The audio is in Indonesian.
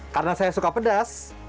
karena saya suka pedas